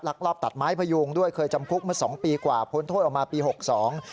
ลอบตัดไม้พยุงด้วยเคยจำคุกมาสองปีกว่าพ้นโทษออกมาปีหกสอง